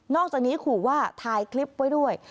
อกจากนี้ขู่ว่าถ่ายคลิปไว้ด้วย